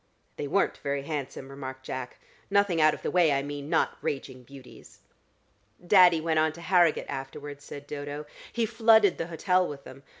"They weren't very handsome," remarked Jack. "Nothing out of the way, I mean. Not raging beauties." "Daddy went on to Harrogate afterwards," said Dodo. "He flooded the hotel with them.